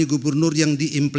a pertimbangan kemah